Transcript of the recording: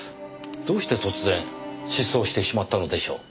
どうして突然失踪してしまったのでしょう？